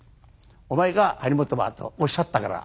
「お前か張本は」とおっしゃったから。